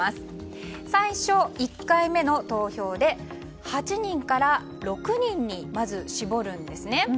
最初１回目の投票で８人から６人にまず絞るんです。